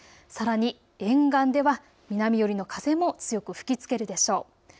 さらに沿岸では南寄りの風も強く吹きつけるでしょう。